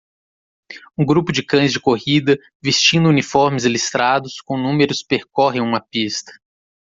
Um grupo de cães de corrida vestindo uniformes listrados com números percorrem uma pista.